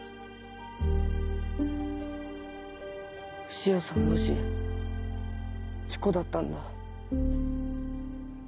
潮さんの死事故だったんだ。